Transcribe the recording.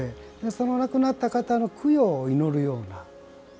その亡くなった方の供養を祈るような。